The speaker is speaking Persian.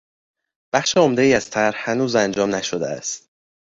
بخش عمدهای از طرح هنوز انجام نشده است.